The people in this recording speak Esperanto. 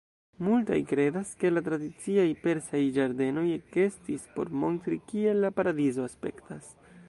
Multaj kredas ke la tradiciaj persaj ĝardenoj ekestis por montri kiel la paradizo aspektas.